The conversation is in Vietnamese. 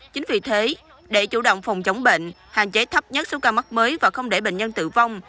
chính vì thế để chủ động phòng chống bệnh hạn chế thấp nhất số ca mắc mới và không để bệnh nhân tử vong